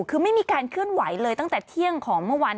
คือไม่มีการเคลื่อนไหวเลยตั้งแต่เที่ยงของเมื่อวัน